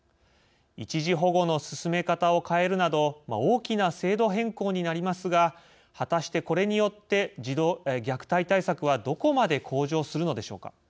一時保護の進め方を変えるなど大きな制度変更になりますが果たして、これによって虐待対策はどこまで向上するのでしょうか。